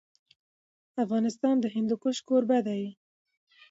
افغانستان د هندوکش کوربه دی.